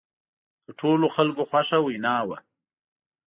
د ټولو خلکو خوښه وینا وه.